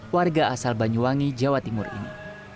warga asal banyuwangi jawa timur ini